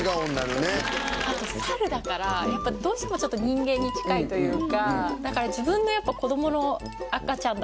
あとサルだからやっぱどうしても人間に近いというか。